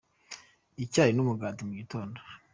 icyayi numugati mugitondo